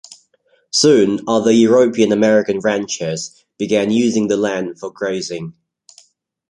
Soon other European-American ranchers began using the land for grazing.